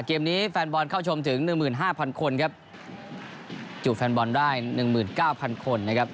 เกมนี้แฟนบอลเข้าชมถึง๑๕๐๐คนครับจูบแฟนบอลได้๑๙๐๐คนนะครับ